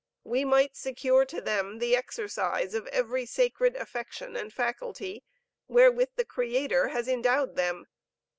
We might secure to them the exercise of every sacred affection and faculty, wherewith the Creator has endowed them.